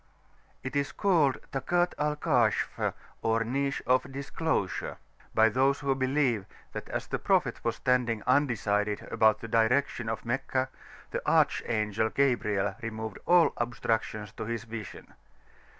[p.410]It is called "Takat al Kashf" or "Niche of Disclosure," by those who believe that as the Prophet was standing undecided about the direction of Meccah, the Archangel Gabriel removed all obstructions to his vision.